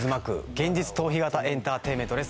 現実逃避型エンターテインメントです